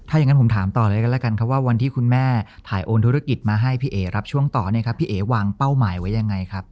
ถ้าอย่างนั้นผมถามต่อเลยกันแล้วกันครับว่าวันที่คุณแม่ถ่ายโอนธุรกิจมาให้พี่เอ๋รับช่วงต่อเนี่ยครับพี่เอ๋วางเป้าหมายไว้ยังไงครับ